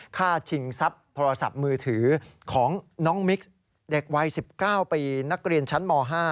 ค่าชิงทรัพย์มือถือของน้องมิคเด็กวัย๑๙ปีนักเรียนชั้นม๕